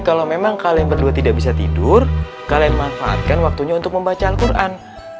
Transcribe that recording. kalau memang kalian berdua tidak bisa tidur kalian manfaatkan waktunya untuk membaca al quran